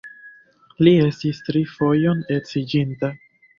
Li estis tri fojon edziĝinta.